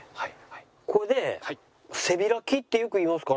これで背開きってよく言いますから。